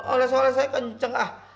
oleh soalnya saya kenceng ah